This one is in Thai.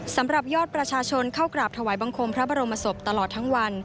สำหรับยอดประชาชนเข้ากราบถวายบังคมพระบรมศพตลอดทั้งวัน